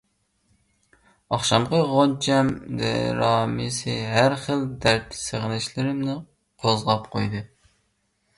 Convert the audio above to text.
ئاخشامقى غۇنچەم دىرامىسى ھەر خىل دەرد، سېغىنىشلىرىمنى قوزغاپ قويدى.